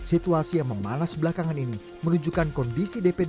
situasi yang memalas belakangan ini menunjukkan kondisi dpd